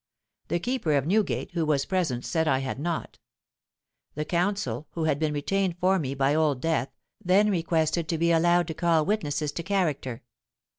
The keeper of Newgate, who was present, said I had not. The counsel who had been retained for me by Old Death, then requested to be allowed to call witnesses to character.